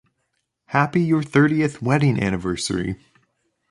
Happy your thirtieth wedding anniversary!